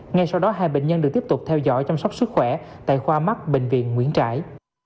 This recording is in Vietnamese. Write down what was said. ngay sau đó hai bệnh nhân được tiếp tục theo dõi chăm sóc sức khỏe tại khoa mắt bệnh viện nguyễn trãi